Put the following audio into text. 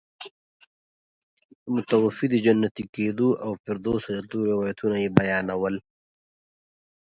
د متوفي د جنتي کېدو او فردوس ته د تلو روایتونه یې بیانول.